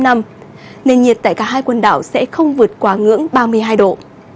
nền nhiệt tại cả hai quần đảo sẽ không vượt quá ngưỡng ba mươi hai độ